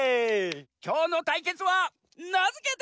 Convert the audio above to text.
きょうのたいけつはなづけて。